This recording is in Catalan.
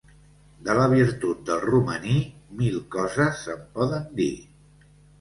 De la virtut del romaní, mil coses se'n poden dir.